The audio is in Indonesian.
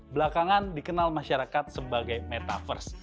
belakangan dikenal masyarakat sebagai metaverse